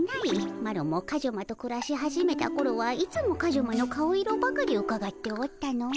マロもカジュマとくらし始めたころはいつもカジュマの顔色ばかりうかがっておったのう。